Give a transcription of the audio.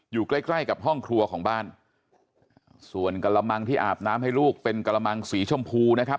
อยู่ใกล้ใกล้กับห้องครัวของบ้านส่วนกระมังที่อาบน้ำให้ลูกเป็นกระมังสีชมพูนะครับ